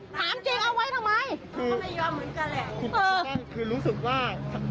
ไปด้วยพวกนั้นนุ่มพวงพ่อมา